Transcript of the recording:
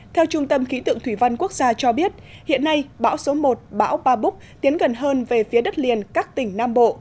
theo trung tâm khí tượng thủy văn quốc gia cho biết hiện nay bão số một bão ba búc tiến gần hơn về phía đất liền các tỉnh nam bộ